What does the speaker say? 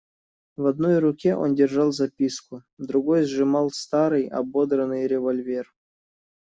В одной руке он держал записку, другой сжимал старый, ободранный револьвер.